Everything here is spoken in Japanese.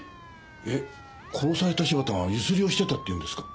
えっ殺された柴田がゆすりをしてたっていうんですか？